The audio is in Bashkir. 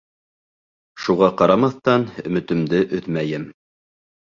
Шуға ҡарамаҫтан, өмөтөмдө өҙмәйем.